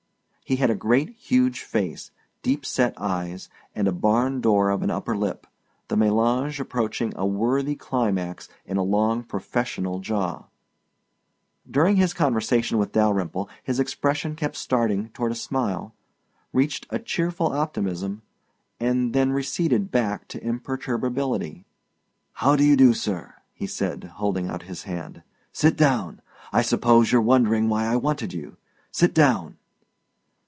He had a great, huge face, deep set eyes, and a barn door of an upper lip, the melange approaching a worthy climax in a long professional jaw. During his conversation with Dalyrimple his expression kept starting toward a smile, reached a cheerful optimism, and then receded back to imperturbability. "How do you do, sir?" he laid, holding out his hand. "Sit down. I suppose you're wondering why I wanted you. Sit down."